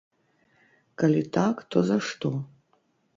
Калі так, то за што?